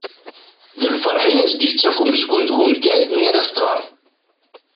Lferḥ i as-d-yettak umezgun d wungal mi ara t-tɣer.